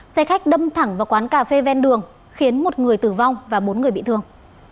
xe khách đâm thẳng vào quán cà phê ven đường khiến một người tử vong và bốn người bị thương